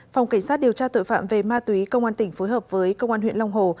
phòng cảnh sát điều tra tội phạm về ma túy công an tỉnh phối hợp với công an huyện long hồ